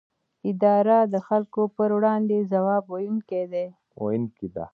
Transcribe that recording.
اداره د خلکو پر وړاندې ځواب ویونکې ده.